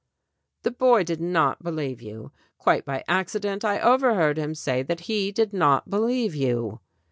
"The boy did not believe you. Quite by accident, I overheard him say that he did not believe you."